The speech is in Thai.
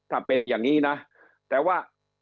ถ้าเป็นอย่างนี้นะ